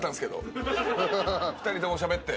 ２人ともしゃべって。